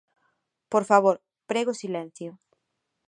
Por favor, prego silencio.